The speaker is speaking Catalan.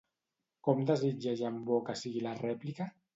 Com desitja Jambon que sigui la rèplica?